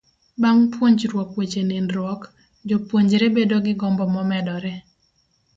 Bang' puonjruok weche nindruok, jopuonjre bedo gi gombo momedore.